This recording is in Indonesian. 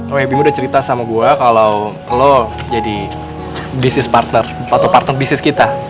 oh iya bima udah cerita sama gua kalo lo jadi bisnis partner atau partner bisnis kita